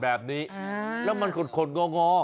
แบบนี้แล้วมันคนงอ